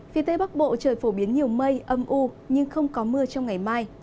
phía tây bắc bộ trời phổ biến nhiều mây âm u nhưng không có mưa trong ngày mai